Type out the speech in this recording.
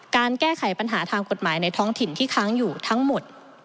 การแก้ไขปัญหาทางกฎหมายในท้องถิ่นที่ค้างอยู่ทั้งหมด